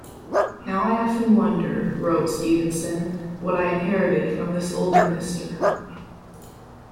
"Now I often wonder," wrote Stevenson, "what I inherited from this old minister.